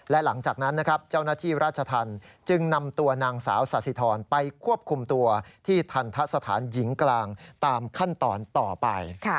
และหลังจากนั้นนะครับเจ้าหน้าที่ราชธรรมจึงนำตัวนางสาวสาธิธรไปควบคุมตัวที่ทันทะสถานหญิงกลางตามขั้นตอนต่อไป